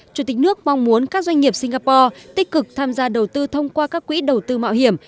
chủ tịch nước mong muốn các doanh nghiệp singapore tích cực tham gia đầu tư thông qua các quỹ đầu tư mạo hiểm